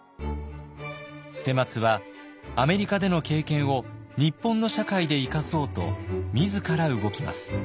捨松はアメリカでの経験を日本の社会で生かそうと自ら動きます。